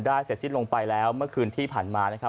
ได้เสร็จสิลงไปแล้วเมื่อคืนที่ปันมา